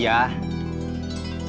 ya apa kabar